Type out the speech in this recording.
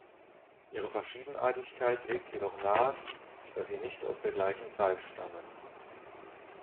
Ihre Verschiedenartigkeit legt jedoch nahe, dass sie nicht aus der gleichen Zeit stammen.